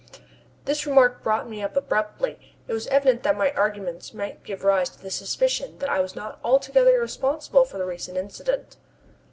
This remark brought me up abruptly. It was evident that my arguments might give rise to the suspicion that I was not altogether irresponsible for the recent incident.